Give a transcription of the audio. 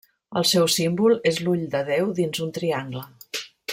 El seu símbol és l'ull de Déu dins un triangle.